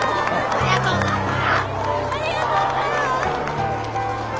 ありがとうございます！